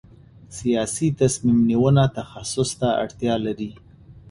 سیاسي تصمیم نیونه تخصص ته اړتیا لري